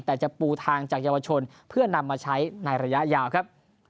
แต่จะปูทางจากเยาวชนเพื่อนำมาใช้ในระยะยาวครับ